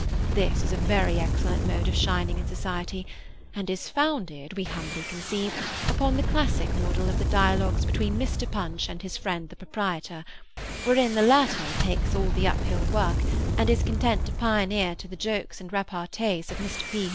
This is a very excellent mode of shining in society, and is founded, we humbly conceive, upon the classic model of the dialogues between Mr. Punch and his friend the proprietor, wherein the latter takes all the up hill work, and is content to pioneer to the jokes and repartees of Mr. P.